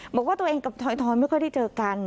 บอกว่าตัวเองกับถอยไม่ค่อยได้เจอกัน